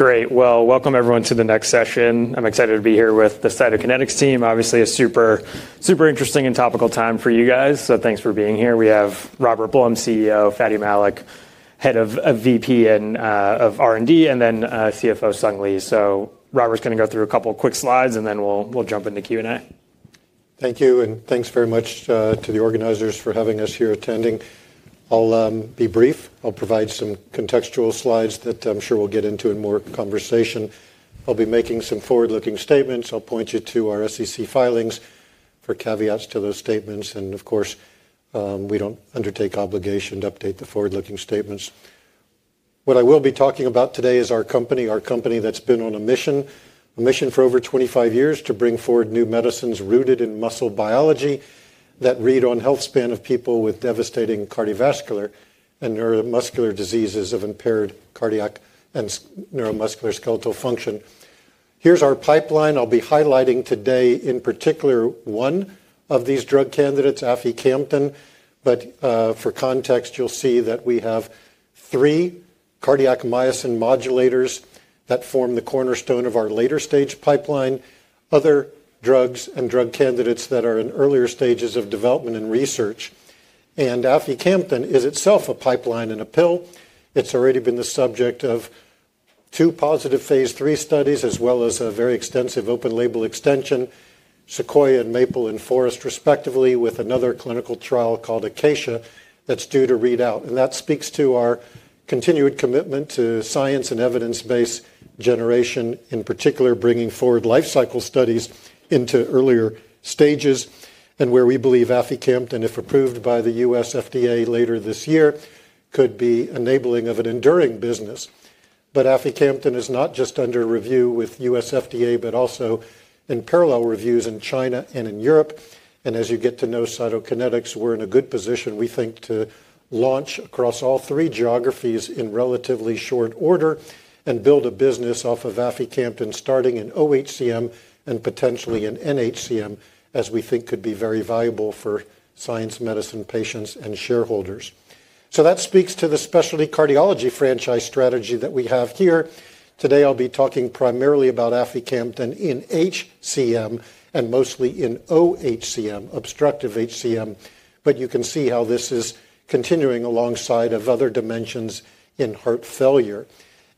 Great. Welcome everyone to the next session. I'm excited to be here with the Cytokinetics team. Obviously, a super, super interesting and topical time for you guys. Thanks for being here. We have Robert Blum, CEO; Fady Malik, Head of VP and of R&D; and then CFO, Sung Lee. Robert's going to go through a couple of quick slides, and then we'll jump into Q&A. Thank you. Thanks very much to the organizers for having us here attending. I'll be brief. I'll provide some contextual slides that I'm sure we'll get into in more conversation. I'll be making some forward-looking statements. I'll point you to our SEC filings for caveats to those statements. Of course, we don't undertake obligation to update the forward-looking statements. What I will be talking about today is our company, our company that's been on a mission, a mission for over 25 years to bring forward new medicines rooted in muscle biology that read on health span of people with devastating cardiovascular and neuromuscular diseases of impaired cardiac and neuromuscular skeletal function. Here's our pipeline I'll be highlighting today, in particular one of these drug candidates, aficamten. For context, you'll see that we have three cardiac myosin modulators that form the cornerstone of our later stage pipeline, other drugs and drug candidates that are in earlier stages of development and research. Aficamten is itself a pipeline in a pill. It's already been the subject of two positive phase III studies, as well as a very extensive open label extension, Sequoia and Maple and Forest, respectively, with another clinical trial called Acacia that's due to read out. That speaks to our continued commitment to science and evidence-based generation, in particular bringing forward life cycle studies into earlier stages, and where we believe Aficamten, if approved by the U.S. FDA later this year, could be enabling of an enduring business. Aficamten is not just under review with the U.S. FDA, but also in parallel reviews in China and in Europe. As you get to know Cytokinetics, we're in a good position, we think, to launch across all three geographies in relatively short order and build a business off of Aficamten, starting in OHCM and potentially in NHCM, as we think could be very valuable for science, medicine, patients, and shareholders. That speaks to the specialty cardiology franchise strategy that we have here. Today, I'll be talking primarily about Aficamten in HCM and mostly in OHCM, obstructive HCM. You can see how this is continuing alongside other dimensions in heart failure.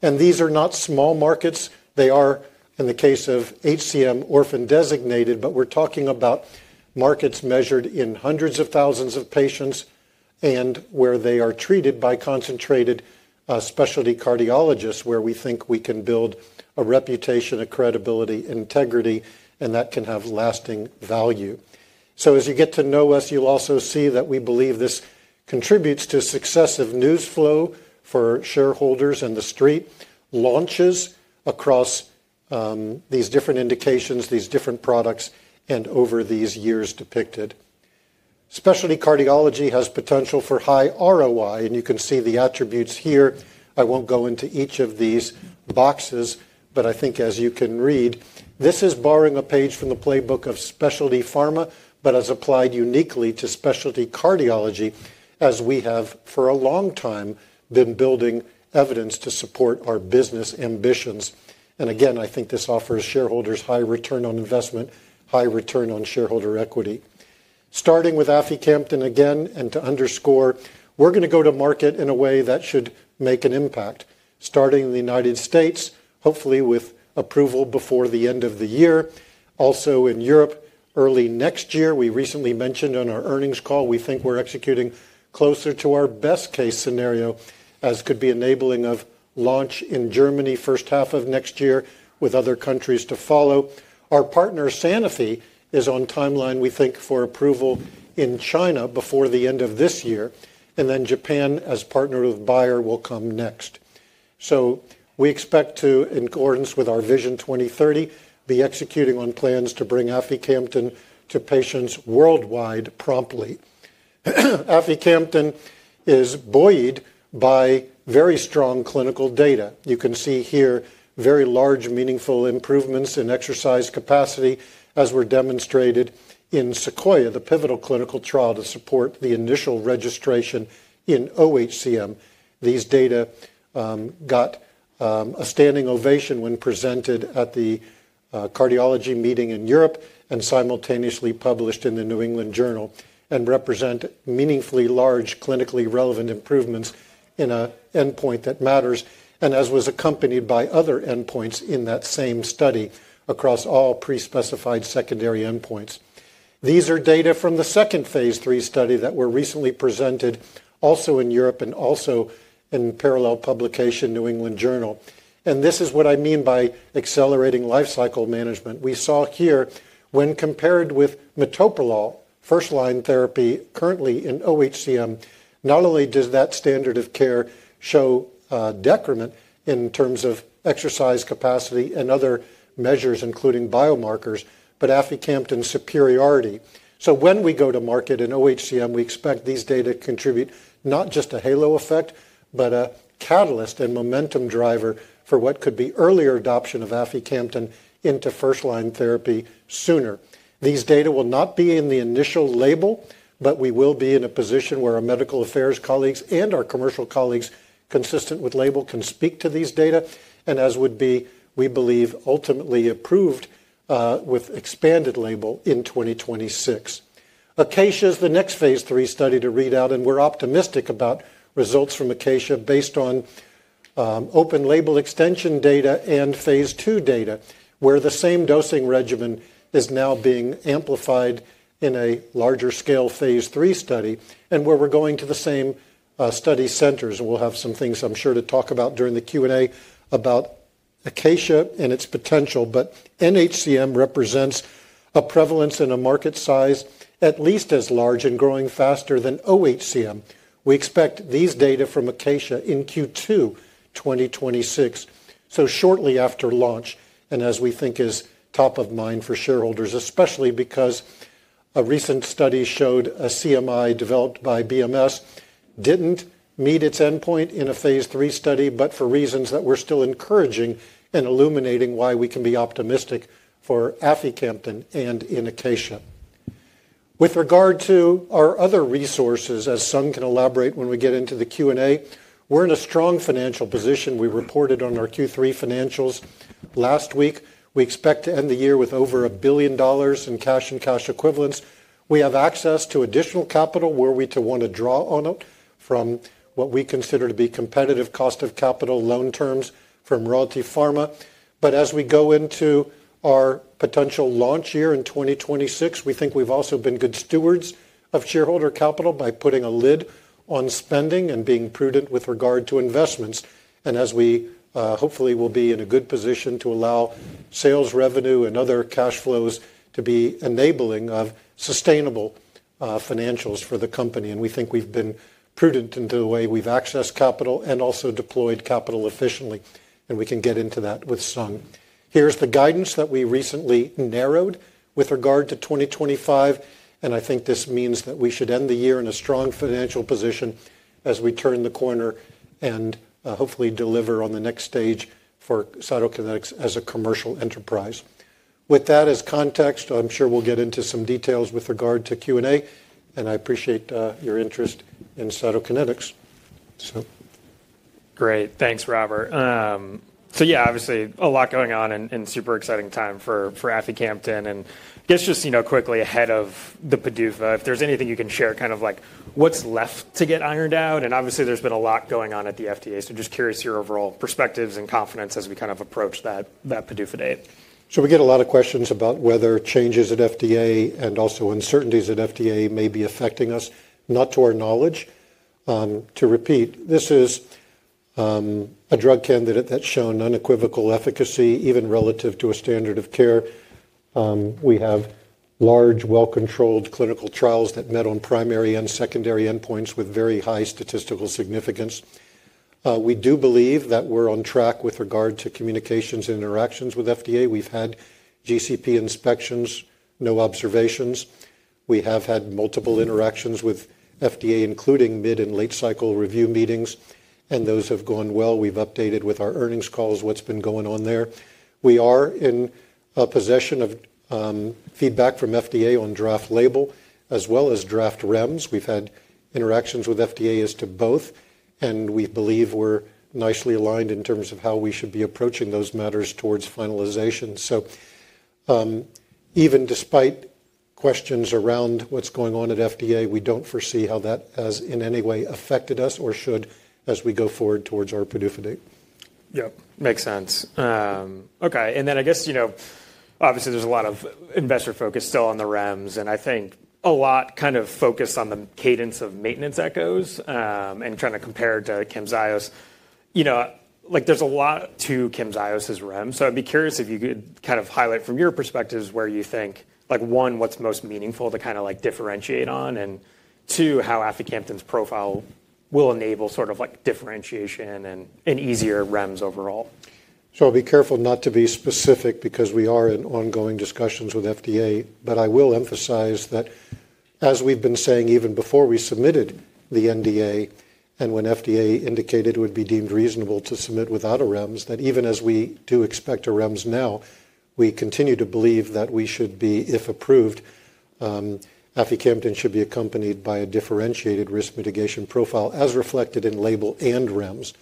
These are not small markets. They are, in the case of HCM, orphan designated, but we're talking about markets measured in hundreds of thousands of patients and where they are treated by concentrated specialty cardiologists, where we think we can build a reputation, a credibility, integrity, and that can have lasting value. As you get to know us, you'll also see that we believe this contributes to successive news flow for shareholders and the street launches across these different indications, these different products, and over these years depicted. Specialty cardiology has potential for high ROI, and you can see the attributes here. I won't go into each of these boxes, but I think as you can read, this is borrowing a page from the playbook of specialty pharma, but has applied uniquely to specialty cardiology, as we have for a long time been building evidence to support our business ambitions. Again, I think this offers shareholders high return on investment, high return on shareholder equity. Starting with Aficamten again, and to underscore, we're going to go to market in a way that should make an impact, starting in the United States, hopefully with approval before the end of the year. Also in Europe, early next year, we recently mentioned on our earnings call, we think we're executing closer to our best case scenario, as could be enabling of launch in Germany first half of next year, with other countries to follow. Our partner, Sanofi, is on timeline, we think, for approval in China before the end of this year. Japan, as partner with Bayer, will come next. We expect to, in accordance with our Vision 2030, be executing on plans to bring Aficamten to patients worldwide promptly. Aficamten is buoyed by very strong clinical data. You can see here very large, meaningful improvements in exercise capacity, as were demonstrated in Sequoia, the pivotal clinical trial to support the initial registration in OHCM. These data got a standing ovation when presented at the cardiology meeting in Europe and simultaneously published in the New England Journal of Medicine, and represent meaningfully large clinically relevant improvements in an endpoint that matters, as was accompanied by other endpoints in that same study across all pre-specified secondary endpoints. These are data from the second phase III study that were recently presented, also in Europe and also in parallel publication, New England Journal of Medicine. This is what I mean by accelerating life cycle management. We saw here, when compared with metoprolol, first line therapy currently in OHCM, not only does that standard of care show decrement in terms of exercise capacity and other measures, including biomarkers, but aficamten superiority. When we go to market in OHCM, we expect these data to contribute not just a halo effect, but a catalyst and momentum driver for what could be earlier adoption of Aficamten into first line therapy sooner. These data will not be in the initial label, but we will be in a position where our medical affairs colleagues and our commercial colleagues, consistent with label, can speak to these data, and as would be, we believe, ultimately approved with expanded label in 2026. Acacia is the next phase III study to read out, and we're optimistic about results from Acacia based on open label extension data and phase 2 data, where the same dosing regimen is now being amplified in a larger scale phase III study, and where we're going to the same study centers. We'll have some things, I'm sure, to talk about during the Q&A about Acacia and its potential. NHCM represents a prevalence and a market size at least as large and growing faster than OHCM. We expect these data from Acacia in Q2 2026, so shortly after launch, and as we think is top of mind for shareholders, especially because a recent study showed a CMI developed by BMS didn't meet its endpoint in a phase III study, but for reasons that are still encouraging and illuminating why we can be optimistic for Aficamten and in Acacia. With regard to our other resources, as Sung can elaborate when we get into the Q&A, we're in a strong financial position. We reported on our Q3 financials last week. We expect to end the year with over $1 billion in cash and cash equivalents. We have access to additional capital where we want to draw on it from what we consider to be competitive cost of capital loan terms from Royalty Pharma. As we go into our potential launch year in 2026, we think we've also been good stewards of shareholder capital by putting a lid on spending and being prudent with regard to investments. As we hopefully will be in a good position to allow sales revenue and other cash flows to be enabling of sustainable financials for the company. We think we've been prudent in the way we've accessed capital and also deployed capital efficiently. We can get into that with Sung. Here's the guidance that we recently narrowed with regard to 2025. I think this means that we should end the year in a strong financial position as we turn the corner and hopefully deliver on the next stage for Cytokinetics as a commercial enterprise. With that as context, I'm sure we'll get into some details with regard to Q&A. I appreciate your interest in Cytokinetics. Great. Thanks, Robert. Yeah, obviously a lot going on and super exciting time for Aficamten. I guess just quickly ahead of the PDUFA, if there's anything you can share, kind of like what's left to get ironed out. Obviously there's been a lot going on at the FDA. Just curious your overall perspectives and confidence as we kind of approach that PDUFA date. We get a lot of questions about whether changes at FDA and also uncertainties at FDA may be affecting us, not to our knowledge. To repeat, this is a drug candidate that's shown unequivocal efficacy, even relative to a standard of care. We have large, well-controlled clinical trials that met on primary and secondary endpoints with very high statistical significance. We do believe that we're on track with regard to communications and interactions with FDA. We've had GCP inspections, no observations. We have had multiple interactions with FDA, including mid and late cycle review meetings, and those have gone well. We've updated with our earnings calls what's been going on there. We are in possession of feedback from FDA on draft label, as well as draft REMS. We've had interactions with FDA as to both, and we believe we're nicely aligned in terms of how we should be approaching those matters towards finalization. Even despite questions around what's going on at FDA, we don't foresee how that has in any way affected us or should as we go forward towards our PDUFA date. Yep, makes sense. Okay. I guess, obviously there's a lot of investor focus still on the REMS, and I think a lot kind of focused on the cadence of maintenance echoes and trying to compare to Camzyos's. There's a lot to Camzyos's REMS? I'd be curious if you could kind of highlight from your perspectives where you think, one, what's most meaningful to kind of differentiate on, and two, how Aficamten's profile will enable sort of differentiation and easier REMS overall. I'll be careful not to be specific because we are in ongoing discussions with FDA, but I will emphasize that as we've been saying even before we submitted the NDA and when FDA indicated it would be deemed reasonable to submit without a REMS, that even as we do expect a REMS now, we continue to believe that we should be, if approved, Aficamten should be accompanied by a differentiated risk mitigation profile as reflected in label and REMS.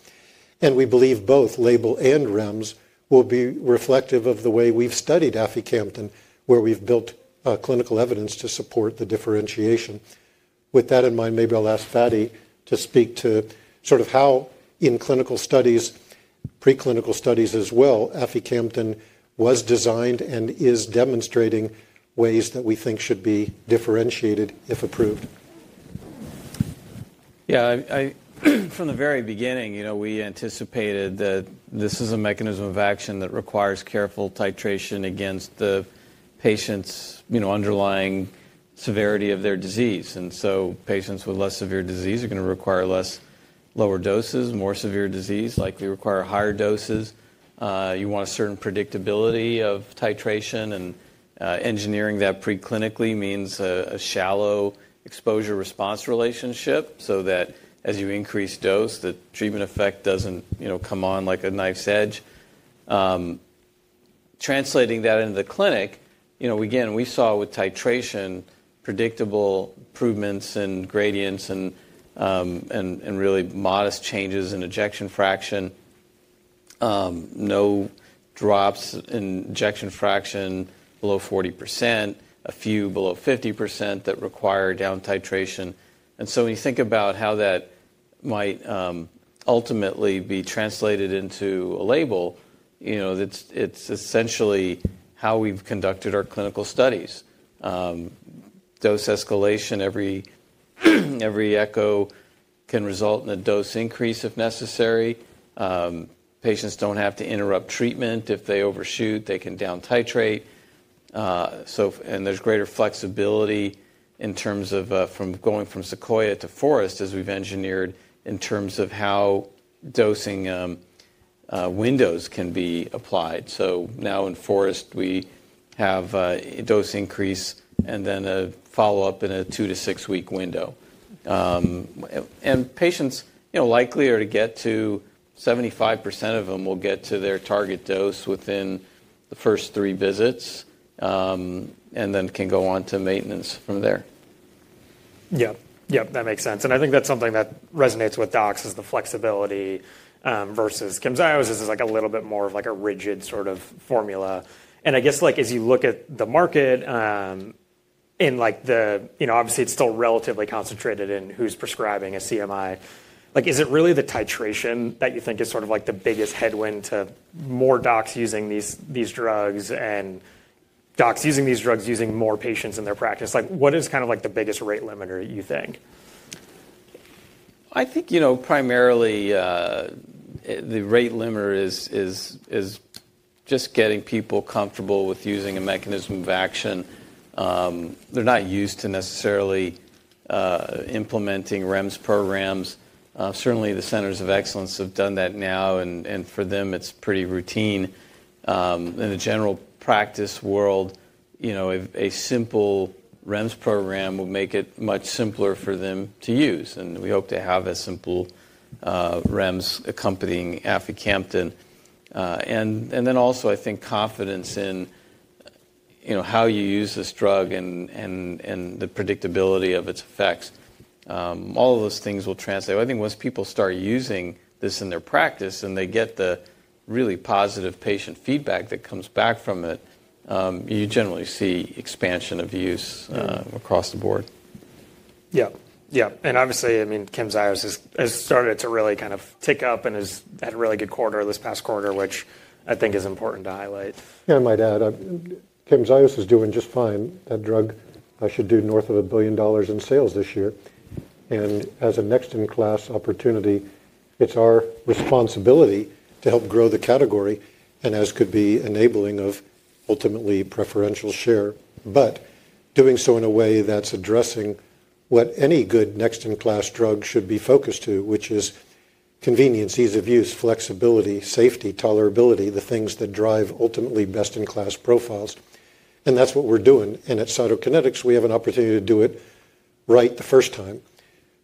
We believe both label and REMS will be reflective of the way we've studied Aficamten, where we've built clinical evidence to support the differentiation. With that in mind, maybe I'll ask Fady to speak to sort of how in clinical studies, preclinical studies as well, Aficamten was designed and is demonstrating ways that we think should be differentiated if approved. Yeah, from the very beginning, we anticipated that this is a mechanism of action that requires careful titration against the patient's underlying severity of their disease. Patients with less severe disease are going to require lower doses, more severe disease likely require higher doses. You want a certain predictability of titration, and engineering that preclinically means a shallow exposure response relationship so that as you increase dose, the treatment effect does not come on like a knife's edge. Translating that into the clinic, again, we saw with titration, predictable improvements in gradients and really modest changes in ejection fraction, no drops in ejection fraction below 40%, a few below 50% that require down titration. When you think about how that might ultimately be translated into a label, it is essentially how we have conducted our clinical studies. Dose escalation, every echo can result in a dose increase if necessary. Patients do not have to interrupt treatment. If they overshoot, they can down titrate. There is greater flexibility in terms of going from Sequoia to Forest as we have engineered in terms of how dosing windows can be applied. In Forest, we have a dose increase and then a follow-up in a two- to six-week window. Patients likely are to get to 75% of them will get to their target dose within the first three visits and then can go on to maintenance from there. Yep, yep, that makes sense. I think that is something that resonates with Docs, is the flexibility versus Camzyos is like a little bit more of like a rigid sort of formula. I guess as you look at the market in the, obviously it's still relatively concentrated in who's prescribing a CMI, is it really the titration that you think is sort of like the biggest headwind to more docs using these drugs and docs using these drugs using more patients in their practice? What is kind of like the biggest rate limiter, you think? I think primarily the rate limiter is just getting people comfortable with using a mechanism of action. They're not used to necessarily implementing REMS programs. Certainly, the centers of excellence have done that now, and for them, it's pretty routine. In the general practice world, a simple REMS program will make it much simpler for them to use. We hope to have a simple REMS accompanying Aficamten. I think confidence in how you use this drug and the predictability of its effects, all of those things will translate. I think once people start using this in their practice and they get the really positive patient feedback that comes back from it, you generally see expansion of use across the board. Yep, yep. Obviously, I mean, Camzyos has started to really kind of tick up and has had a really good quarter this past quarter, which I think is important to highlight. Yeah. I might add, Camzyos is doing just fine. That drug should do north of a billion dollars in sales this year. As a next in class opportunity, it is our responsibility to help grow the category and as could be enabling of ultimately preferential share, but doing so in a way that is addressing what any good next in class drug should be focused to, which is convenience, ease of use, flexibility, safety, tolerability, the things that drive ultimately best in class profiles. That is what we are doing. At Cytokinetics, we have an opportunity to do it right the first time.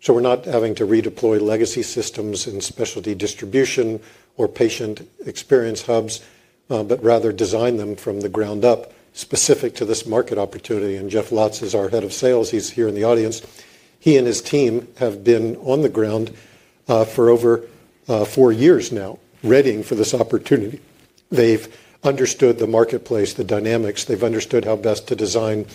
We're not having to redeploy legacy systems in specialty distribution or patient experience hubs, but rather design them from the ground up specific to this market opportunity. Jeff Lotz is our Head of Sales. He's here in the audience. He and his team have been on the ground for over four years now readying for this opportunity. They've understood the marketplace, the dynamics. They've understood how best to design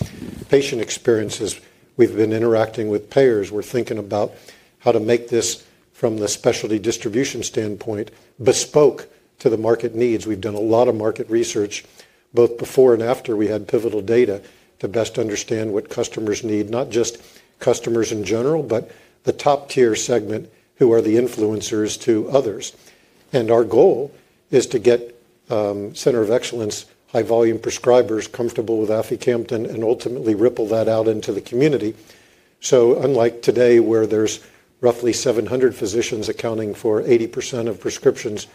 patient experiences. We've been interacting with payers. We're thinking about how to make this from the specialty distribution standpoint bespoke to the market needs. We've done a lot of market research both before and after we had pivotal data to best understand what customers need, not just customers in general, but the top tier segment who are the influencers to others. Our goal is to get center of excellence, high volume prescribers comfortable with Aficamten and ultimately ripple that out into the community. Unlike today where there's roughly 700 physicians accounting for 80% of prescriptions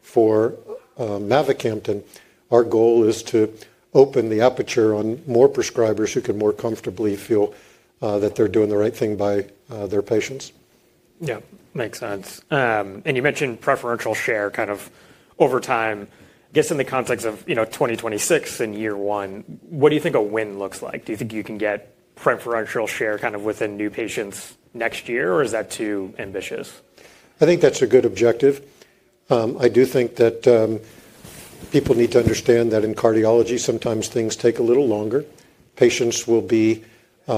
for Mavacamten, our goal is to open the aperture on more prescribers who can more comfortably feel that they're doing the right thing by their patients. Yeah, makes sense. You mentioned preferential share kind of over time. I guess in the context of 2026 and year one, what do you think a win looks like? Do you think you can get preferential share kind of within new patients next year, or is that too ambitious? I think that's a good objective. I do think that people need to understand that in cardiology, sometimes things take a little longer. Patients will be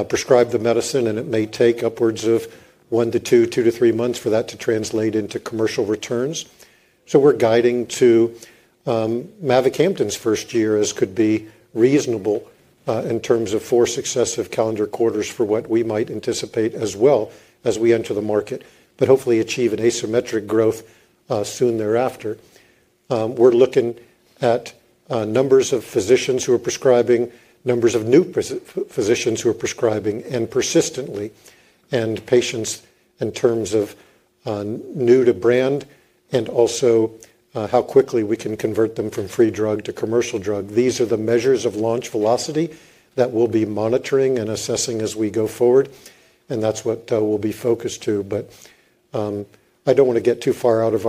prescribed the medicine, and it may take upwards of one to two, two to three months for that to translate into commercial returns. We're guiding to mavacamten's first year as could be reasonable in terms of four successive calendar quarters for what we might anticipate as well as we enter the market, but hopefully achieve an asymmetric growth soon thereafter. We're looking at numbers of physicians who are prescribing, numbers of new physicians who are prescribing and persistently, and patients in terms of new to brand and also how quickly we can convert them from free drug to commercial drug. These are the measures of launch velocity that we'll be monitoring and assessing as we go forward. That's what we'll be focused to. I don't want to get too far out over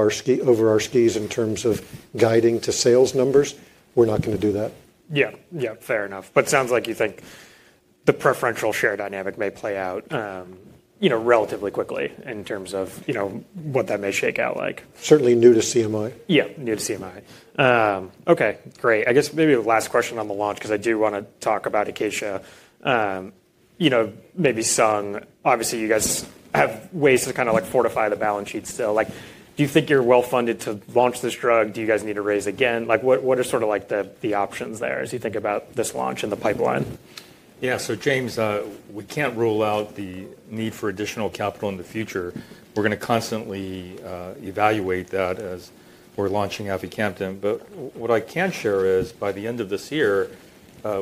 our skis in terms of guiding to sales numbers. We're not going to do that. Yeah, yeah, fair enough. It sounds like you think the preferential share dynamic may play out relatively quickly in terms of what that may shake out like. Certainly new to CMI. Yeah, new to CMI. Okay, great. I guess maybe the last question on the launch, because I do want to talk about Acacia. Maybe Sung, obviously you guys have ways to kind of fortify the balance sheet still. Do you think you're well funded to launch this drug? Do you guys need to raise again? What are sort of the options there as you think about this launch in the pipeline? Yeah, so James, we can't rule out the need for additional capital in the future. We're going to constantly evaluate that as we're launching Aficamten. What I can share is by the end of this year,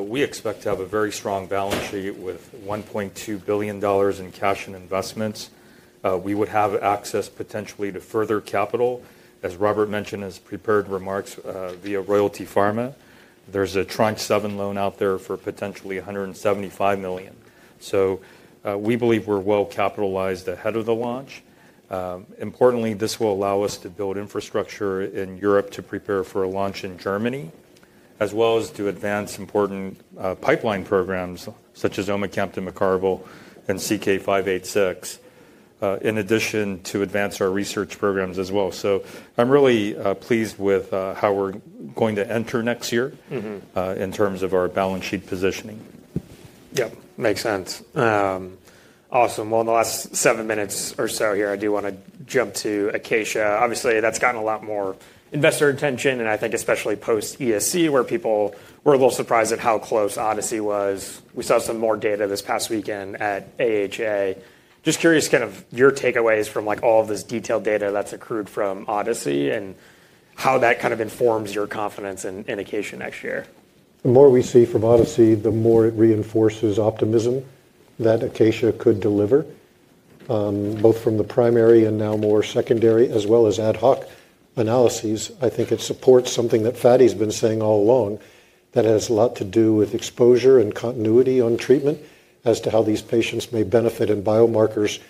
we expect to have a very strong balance sheet with $1.2 billion in cash and investments. We would have access potentially to further capital, as Robert mentioned in his prepared remarks via Royalty Pharma. There's a Tranche 7 loan out there for potentially $175 million. We believe we're well capitalized ahead of the launch. Importantly, this will allow us to build infrastructure in Europe to prepare for a launch in Germany, as well as to advance important pipeline programs such as Omecamtiv Mecarbil, Reldemesemtiv, and CK-586, in addition to advance our research programs as well. I'm really pleased with how we're going to enter next year in terms of our balance sheet positioning. Yep, makes sense. Awesome. In the last seven minutes or so here, I do want to jump to Acacia. Obviously, that's gotten a lot more investor attention, and I think especially post ESC, where people were a little surprised at how close Odyssey was. We saw some more data this past weekend at AHA. Just curious kind of your takeaways from all of this detailed data that's accrued from Odyssey and how that kind of informs your confidence in Acacia next year. The more we see from Odyssey, the more it reinforces optimism that Acacia could deliver, both from the primary and now more secondary, as well as ad hoc analyses. I think it supports something that Fady has been saying all along that has a lot to do with exposure and continuity on treatment as to how these patients may benefit, and biomarkers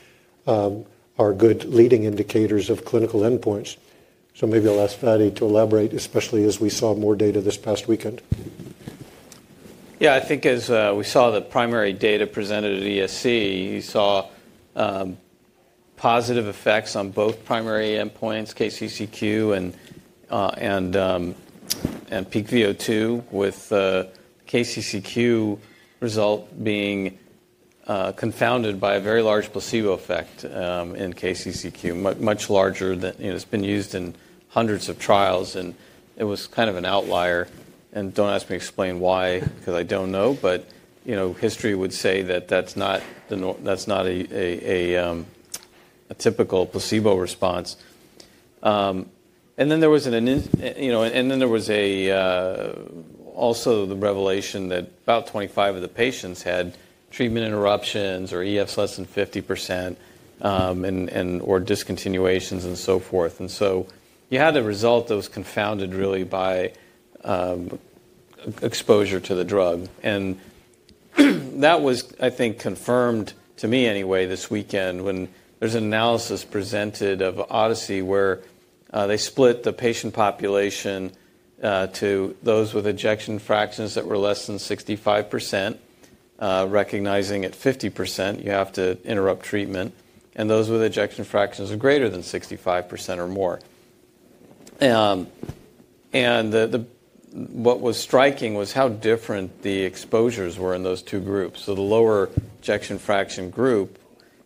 are good leading indicators of clinical endpoints. Maybe I'll ask Fady to elaborate, especially as we saw more data this past weekend. Yeah, I think as we saw the primary data presented at ESC, you saw positive effects on both primary endpoints, KCCQ and Peak VO2, with KCCQ result being confounded by a very large placebo effect in KCCQ, much larger than it's been used in hundreds of trials. It was kind of an outlier. Don't ask me to explain why, because I don't know. History would say that that's not a typical placebo response. There was also the revelation that about 25 of the patients had treatment interruptions or EFs less than 50% or discontinuations and so forth. You had a result that was confounded really by exposure to the drug. That was, I think, confirmed to me anyway this weekend when there was an analysis presented of Odyssey where they split the patient population to those with ejection fractions that were less than 65%, recognizing at 50% you have to interrupt treatment, and those with ejection fractions that are greater than 65% or more. What was striking was how different the exposures were in those two groups. The lower ejection fraction group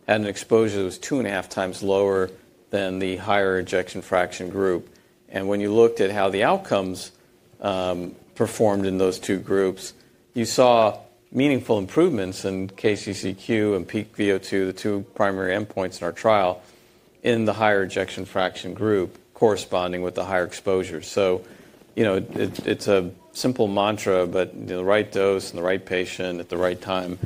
had an exposure that was two and a half times lower than the higher ejection fraction group. When you looked at how the outcomes performed in those two groups, you saw meaningful improvements in KCCQ and Peak VO2, the two primary endpoints in our trial, in the higher ejection fraction group corresponding with the higher exposure. It's a simple mantra, but the right dose and the right patient at the right time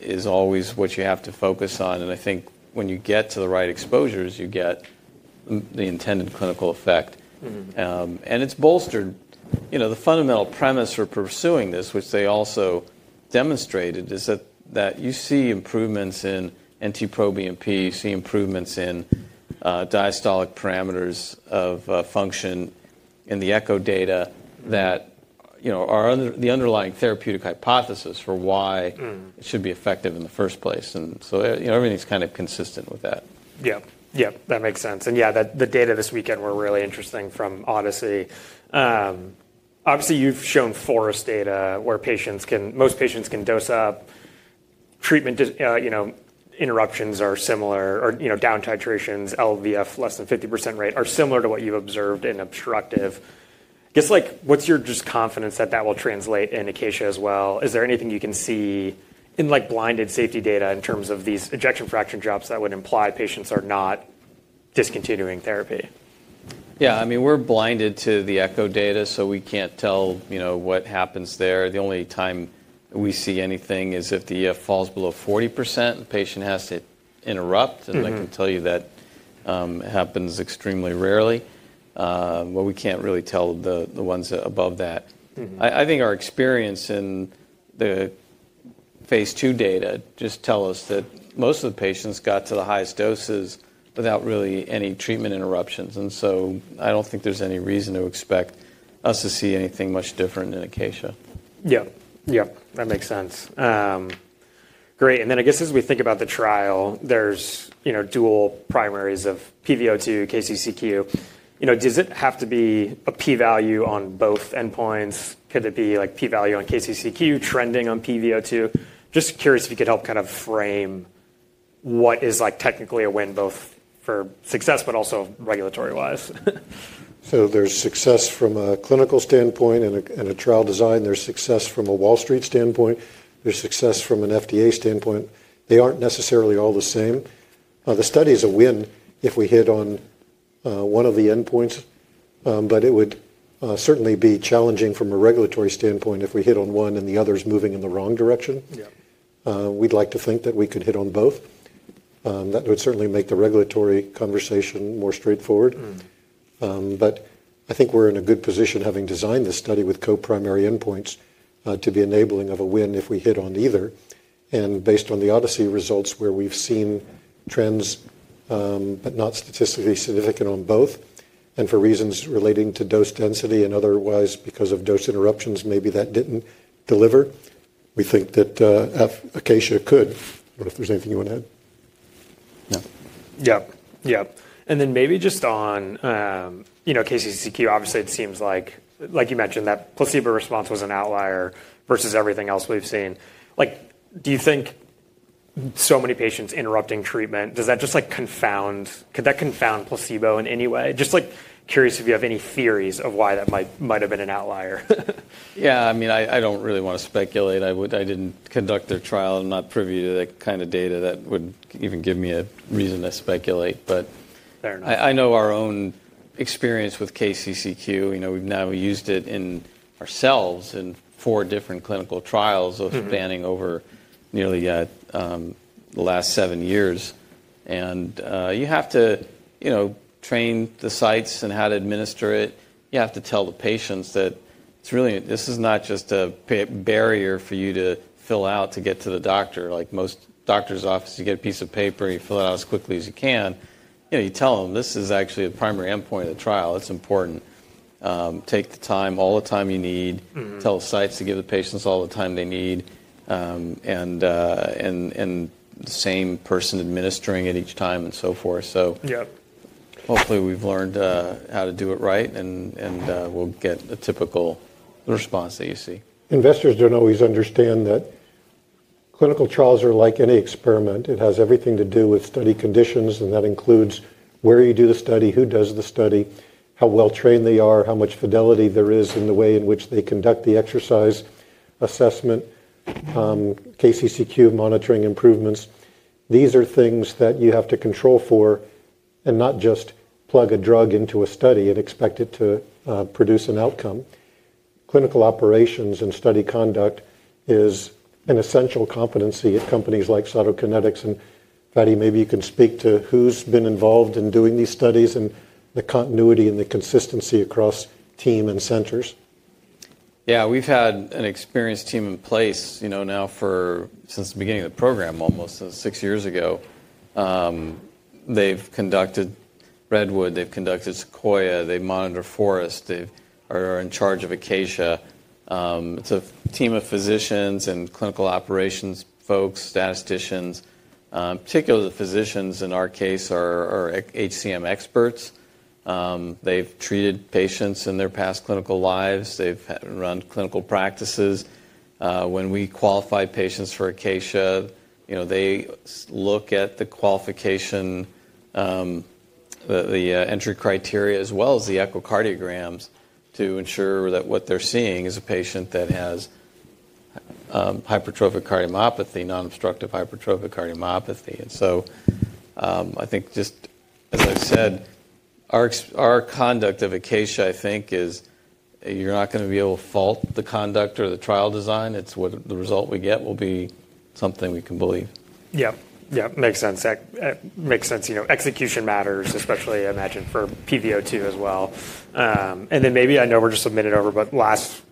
is always what you have to focus on. I think when you get to the right exposures, you get the intended clinical effect. It's bolstered. The fundamental premise for pursuing this, which they also demonstrated, is that you see improvements in NT-proBNP, you see improvements in diastolic parameters of function in the echo data that are the underlying therapeutic hypothesis for why it should be effective in the first place. Everything's kind of consistent with that. Yep, yep, that makes sense. Yeah, the data this weekend were really interesting from Odyssey. Obviously, you've shown Forest data where most patients can dose up. Treatment interruptions are similar or down titrations, LVF less than 50% rate are similar to what you've observed in obstructive. I guess what's your confidence that that will translate in Acacia as well? Is there anything you can see in blinded safety data in terms of these ejection fraction drops that would imply patients are not discontinuing therapy? Yeah, I mean, we're blinded to the echo data, so we can't tell what happens there. The only time we see anything is if the EF falls below 40%, the patient has to interrupt. I can tell you that happens extremely rarely. We can't really tell the ones above that. I think our experience in the phase two data just tells us that most of the patients got to the highest doses without really any treatment interruptions. I don't think there's any reason to expect us to see anything much different in Acacia. Yep, yep, that makes sense. Great. I guess as we think about the trial, there's dual primaries of PVO2, KCCQ. Does it have to be a P value on both endpoints? Could it be P value on KCCQ trending on PVO2? Just curious if you could help kind of frame what is technically a win both for success, but also regulatory-wise. There is success from a clinical standpoint and a trial design. There is success from a Wall Street standpoint. There is success from an FDA standpoint. They aren't necessarily all the same. The study is a win if we hit on one of the endpoints, but it would certainly be challenging from a regulatory standpoint if we hit on one and the other is moving in the wrong direction. We'd like to think that we could hit on both. That would certainly make the regulatory conversation more straightforward. I think we're in a good position having designed this study with co-primary endpoints to be enabling of a win if we hit on either. Based on the Odyssey results where we've seen trends, but not statistically significant on both, and for reasons relating to dose density and otherwise because of dose interruptions, maybe that didn't deliver. We think that Acacia could. I don't know if there's anything you want to add. Yeah, yeah. And then maybe just on KCCQ, obviously it seems like, like you mentioned, that placebo response was an outlier versus everything else we've seen. Do you think so many patients interrupting treatment, does that just confound? Could that confound placebo in any way? Just curious if you have any theories of why that might have been an outlier. Yeah, I mean, I don't really want to speculate. I didn't conduct their trial. I'm not privy to that kind of data that would even give me a reason to speculate. I know our own experience with KCCQ. We've now used it ourselves in four different clinical trials spanning over nearly the last seven years. You have to train the sites in how to administer it. You have to tell the patients that this is not just a barrier for you to fill out to get to the doctor. Like most doctor's offices, you get a piece of paper, you fill it out as quickly as you can. You tell them this is actually a primary endpoint of the trial. It's important. Take the time, all the time you need. Tell the sites to give the patients all the time they need. The same person administering it each time and so forth. Hopefully we've learned how to do it right and we'll get a typical response that you see. Investors don't always understand that clinical trials are like any experiment. It has everything to do with study conditions, and that includes where you do the study, who does the study, how well trained they are, how much fidelity there is in the way in which they conduct the exercise assessment, KCCQ monitoring improvements. These are things that you have to control for and not just plug a drug into a study and expect it to produce an outcome. Clinical operations and study conduct is an essential competency at companies like Cytokinetics. Fady, maybe you can speak to who's been involved in doing these studies and the continuity and the consistency across team and centers. Yeah, we've had an experienced team in place now for since the beginning of the program, almost six years ago. They've conducted Redwood, they've conducted Sequoia, they monitor Forest, they are in charge of Acacia. It's a team of physicians and clinical operations folks, statisticians. Particularly the physicians in our case are HCM experts. They've treated patients in their past clinical lives. They've run clinical practices. When we qualify patients for Acacia, they look at the qualification, the entry criteria, as well as the echocardiograms to ensure that what they're seeing is a patient that has hypertrophic cardiomyopathy, non-obstructive hypertrophic cardiomyopathy. I think just as I said, our conduct of Acacia, I think, is you're not going to be able to fault the conduct or the trial design. It's what the result we get will be something we can believe. Yep, yep, makes sense. Makes sense. Execution matters, especially I imagine for peak VO2 as well. Maybe I know we're just a minute over, but last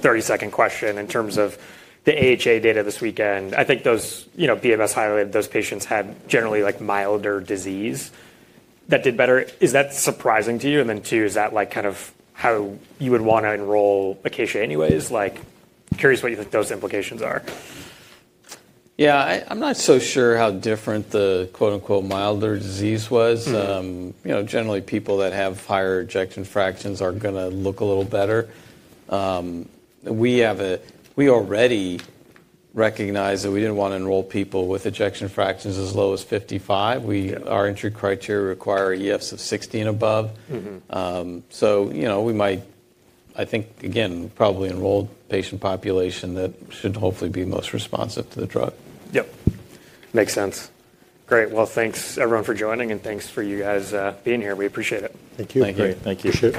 30-second question in terms of the AHA data this weekend. I think BMS highlighted those patients had generally milder disease that did better. Is that surprising to you? Two, is that kind of how you would want to enroll Acacia anyways? Curious what you think those implications are. Yeah, I'm not so sure how different the "milder disease" was. Generally, people that have higher ejection fractions are going to look a little better. We already recognize that we didn't want to enroll people with ejection fractions as low as 55. Our entry criteria require EFs of 60 and above. So we might, I think, again, probably enroll patient population that should hopefully be most responsive to the drug. Yep, makes sense. Great. Thanks everyone for joining and thanks for you guys being here. We appreciate it. Thank you. Thank you. Thank you.